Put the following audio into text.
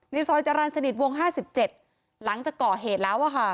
ซอยจรรย์สนิทวง๕๗หลังจากก่อเหตุแล้ว